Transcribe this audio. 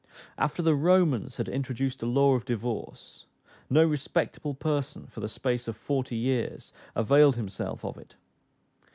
After the Romans had introduced a law of divorce, no respectable person, for the space of forty years, availed himself of it.